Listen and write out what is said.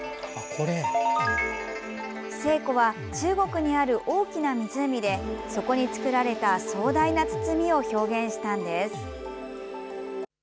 西湖は中国にある大きな湖でそこに造られた壮大な堤を表現したんです。